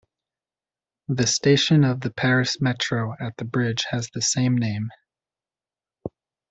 The station of the Paris Metro at the bridge has the same name.